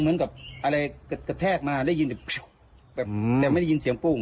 เหมือนกับอะไรกระแทกมาได้ยินแต่แบบแต่ไม่ได้ยินเสียงปุ้ง